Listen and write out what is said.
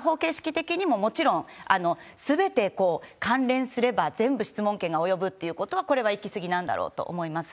法形式的にも、もちろんすべて関連すれば全部質問権が及ぶってことは、これは行き過ぎなんだろうと思います。